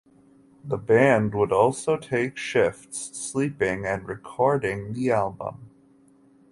The band would also take shifts sleeping and recording the album.